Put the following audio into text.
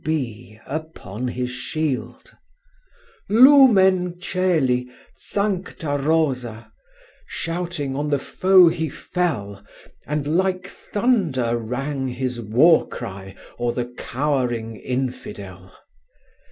P. B. upon his shield. "'Lumen caeli, sancta Rosa!' Shouting on the foe he fell, And like thunder rang his war cry O'er the cowering infidel.